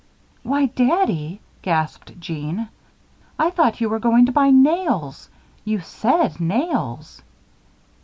"Why, Daddy!" gasped Jeanne. "I thought you were going to buy nails. You said nails."